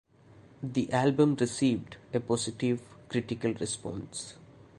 The album received a positive critical response.